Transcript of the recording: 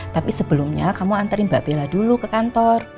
tapi sebelumnya kamu anterin mbak bela dulu ke kantor